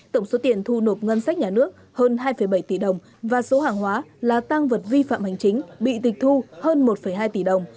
tổng số tiền thu nộp ngân sách nhà nước hơn hai bảy tỷ đồng và số hàng hóa là tăng vật vi phạm hành chính bị tịch thu hơn một hai tỷ đồng